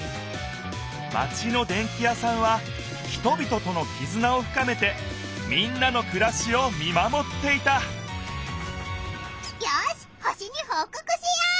マチのでんき屋さんは人びととのきずなをふかめてみんなのくらしを見まもっていたよし星にほうこくしよう！